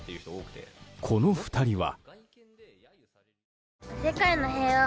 この２人は。